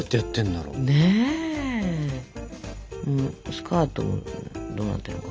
スカートもどうなってるのか。